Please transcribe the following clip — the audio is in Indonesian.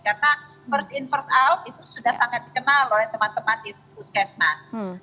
karena first in first out itu sudah sangat dikenal oleh teman teman di puskesmas